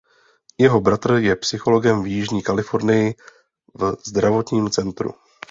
Jeho bratr je psychologem v Jižní Kalifornii v zdravotním centru.